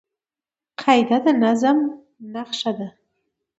قاعده د نظم نخښه ده.